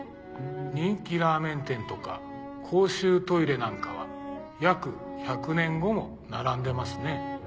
人気ラーメン店とか公衆トイレなんかは約１００年後も並んでますね。